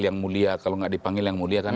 yang mulia kalau nggak dipanggil yang mulia kan